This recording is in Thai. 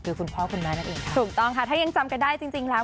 คือคุณพ่อคุณแม่นั่นเองค่ะถูกต้องค่ะถ้ายังจำกันได้จริงจริงแล้ว